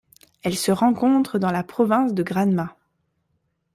Elle se rencontre dans la province de Granma.